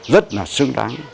rất là xứng đáng